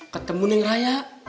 ketemu ni ngeraya